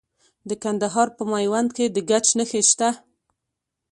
د کندهار په میوند کې د ګچ نښې شته.